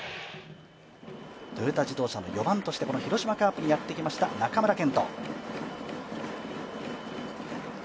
トヨタ自動車の４番としてこの広島カープにやって来ました中村健人。